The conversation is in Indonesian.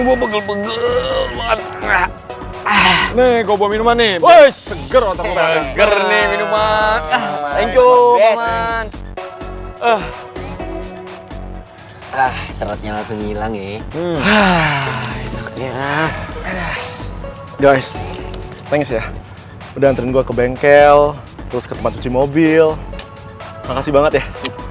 woh capek banget sih